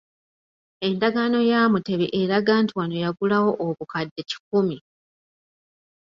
Endagaano ya Mutebi eraga nti wano yagulawo obukadde kikumi.